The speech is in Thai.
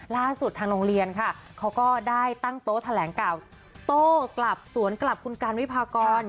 ล่าสุดทางโรงเรียนค่ะเขาก็ได้ตั้งโต๊ะแถลงข่าวโต้กลับสวนกลับคุณการวิพากร